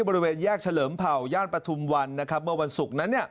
บริเวณแยกเฉลิมเผ่าย่านปฐุมวันเมื่อวันศุกร์นั้น